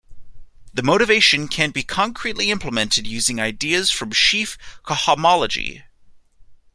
The motivation can be concretely implemented using ideas from sheaf cohomology.